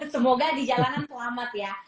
semoga di jalanan selamat ya